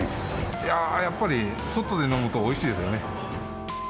いやー、やっぱり外で飲むとおいしいですよね。